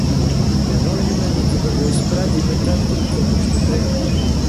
Не можеме ниту да го испpaтиме тaткo ми како што треба